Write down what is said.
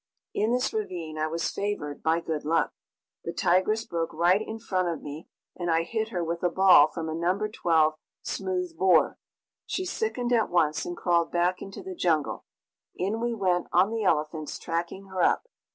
In this ravine I was favored by good luck. The tigress broke right in front of me, and I hit her with a ball from a No. 12 smooth bore. She sickened at once and crawled back into the jungle. In we went on the elephants, tracking her up.